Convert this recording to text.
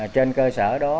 trên cơ sở đó